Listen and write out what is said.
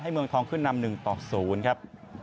ให้มืองทองขึ้นนำหนึ่งต่อศูนย์ครับ